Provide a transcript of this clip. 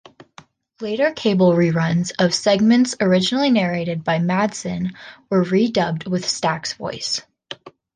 Later cable reruns of segments originally narrated by Madsen were re-dubbed with Stack's voice.